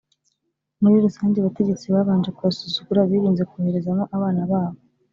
Muri rusange abategetsi babanje kuyasuzugura birinze koherezamo abana babo.